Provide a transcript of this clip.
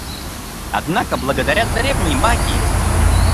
Однако, благодаря древней магии